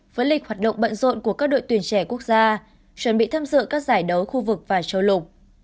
với lịch hoạt động bận rộn của các đội tuyển trẻ quốc gia chuẩn bị tham dự các giải đấu khu vực và châu lục